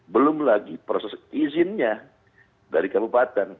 belum lagi proses izinnya dari kabupaten